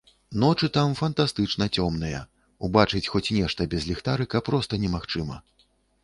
Ночы там фантастычна цёмныя, убачыць хоць нешта без ліхтарыка проста немагчыма.